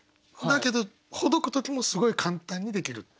だけどほどく時もすごい簡単にできるっていう。